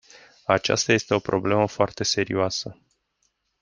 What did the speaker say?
Aceasta este o problemă foarte serioasă.